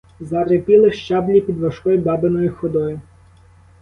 Зарипіли щаблі під важкою бабиною ходою.